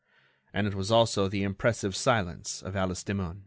And it was also the impressive silence of Alice Demun.